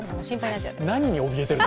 何におびえてるの？